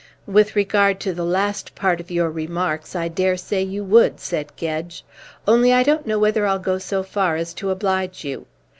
"With regard to the last part of your remarks, I dare say you would," said Gedge. "Only I don't know whether I'll go so far as to oblige you.